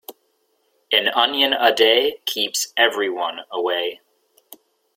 An onion a day keeps everyone away.